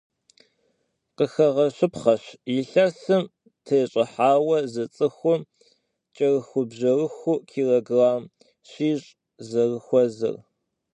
Къыхэгъэщыпхъэщ, илъэсым тещӏыхьауэ зы цӏыхум кӏэрыхубжьэрыхуу килограмм щищ зэрыхуэзэр.